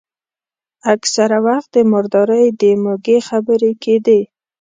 اکثره وخت د مردارۍ د موږي خبرې کېدې.